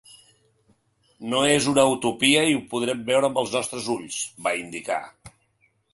“No és una utopia i ho podrem veure amb els nostres ulls”, va indicar.